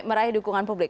oke meraih dukungan publik